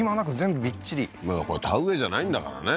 まだこれ田植えじゃないんだからね